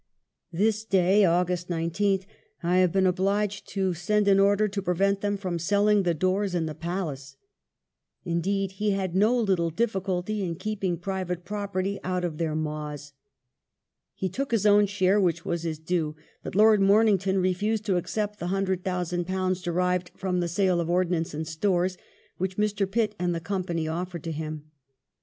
This day (August 19th) I have been obliged to send an order to prevent them from selling the doors in the palace." Indeed, he had "no little difficulty " in keeping " private property " out of their maws. He took his own share, which was his due, but Lord Mornington refused to accept the hundred thousand pounds derived from the sale of ordnance and stores, which Mr. Pitt and the Company offered to him.